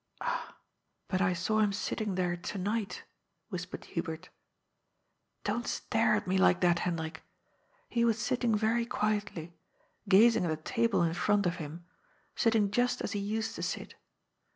*' Ah, but I saw him sitting there to night," whispered Hubert. ^ Don't stare at me like that, Hendrik. He was sitting very quietiy, gazing at the table in front of him, sitting just as he used to sit.